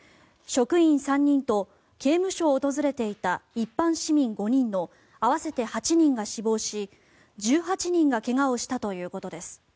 職員３人と刑務所を訪れていた一般市民５人の合わせて８人が死亡し、１８人が怪我をしたということです。